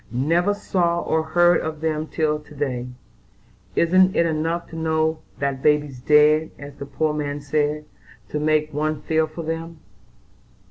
"Never saw or heard of them till to day. Isn't it enough to know that 'baby's dead,' as the poor man said, to make one feel for them?"